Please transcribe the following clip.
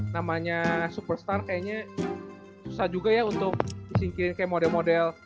namanya superstar kayaknya susah juga ya untuk disingkirin kayak model model